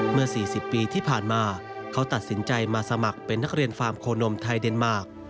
เมื่อ๔๐ปีที่ผ่านมาเขาตัดสินใจมาสมัครเป็นนักเรียนฟาร์มโคนมไทยเดนมาร์ค